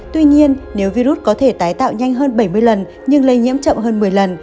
tuy nhiên nếu virus có thể tái tạo nhanh hơn bảy mươi lần nhưng lây nhiễm chậm hơn một mươi lần